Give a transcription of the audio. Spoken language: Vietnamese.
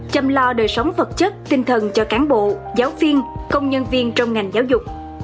chăm lo đời sống vật chất tinh thần cho cán bộ giáo viên công nhân viên trong ngành giáo dục